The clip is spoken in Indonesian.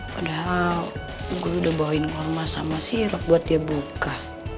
padahal gue udah bawain korma sama sirup buat dia buka